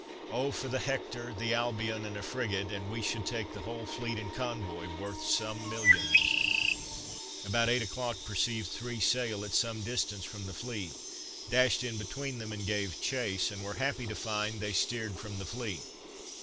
O, for the Hector, the Albion, and a frigate, and we should take the whole fleet and convoy, worth some millions! About eight o'clock perceived three sail at some distance from the fleet; dashed in between them, and gave chase, and were happy to find they steered from the fleet.